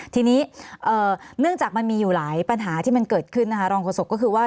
ทีนี้เนื่องจากมันมีอยู่หลายปัญหาที่มันเกิดขึ้นนะคะรองโฆษกก็คือว่า